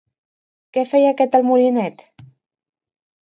Què feia aquest al molinet?